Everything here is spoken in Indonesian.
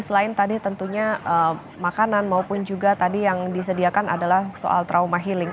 selain tadi tentunya makanan maupun juga tadi yang disediakan adalah soal trauma healing